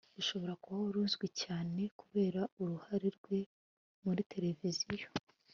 ushobora kuba wari uzwi cyane kubera uruhare rwe muri televiziyo